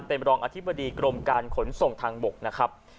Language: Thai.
เป็นรองอธิบดีกรมการขนส่งทางบกนะครับ